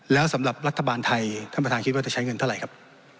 แล้วสำหรับรัฐบาลไทยท่านประธานคิดว่าจะใช้เงินเท่าไหร่ครับ